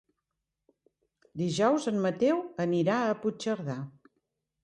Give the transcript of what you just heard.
Dijous en Mateu anirà a Puigcerdà.